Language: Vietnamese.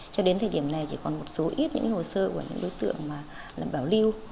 cho đến thời điểm này chỉ còn một số ít hồ sơ của những đối tượng làm bảo lưu